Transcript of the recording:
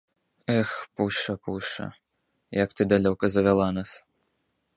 Эх, пушча, пушча, як ты далёка завяла нас.